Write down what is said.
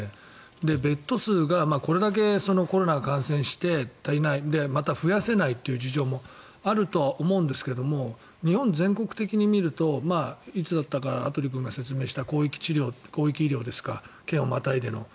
ベッド数がこれだけコロナに感染して足りないまた増やせないという事情もあるとは思うんですけど日本全国的に見るといつだったか羽鳥君が説明した広域治療、広域医療ですか県をまたいでの。